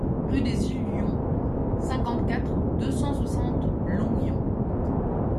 Rue des Ullions, cinquante-quatre, deux cent soixante Longuyon